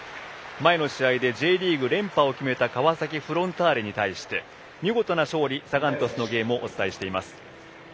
前の試合でＪリーグ連覇を決めた川崎フロンターレに対して見事な勝利サガン鳥栖のゲームをお伝えしています。